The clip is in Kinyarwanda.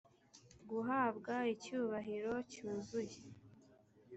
guhabwa icyubahiro cyuzuye